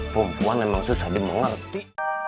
pembuahan emang susah di mengerti